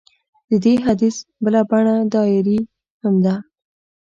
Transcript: د دې حدیث بله بڼه ډایري هم ده.